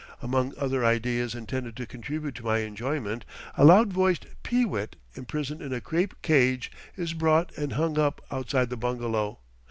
Among other ideas intended to contribute to my enjoyment, a loud voiced pee wit imprisoned in a crape cage is brought and hung up outside the bungalow.